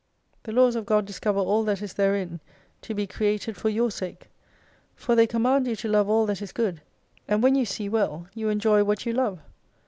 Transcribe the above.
The Laws of God discover all that is therein to be created for your sake. For they command you to love all that is good, and when you see well, you enjoy what you love.